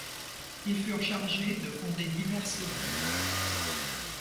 Ils furent chargés de fonder diverses villes.